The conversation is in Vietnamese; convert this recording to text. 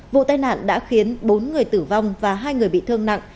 vụ tai nạn đã khiến bốn người tử vong và hai người bị thương nặng